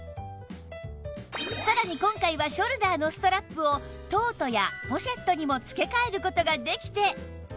さらに今回はショルダーのストラップをトートやポシェットにも付け替える事ができて